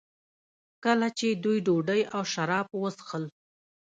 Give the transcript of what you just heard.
کله چې دوی ډوډۍ او شراب وڅښل.